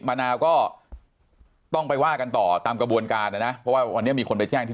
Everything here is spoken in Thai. มะนาก็ต้องไปว่ากันต่อตามกระบวนการนะวันนี้มีคนใดที่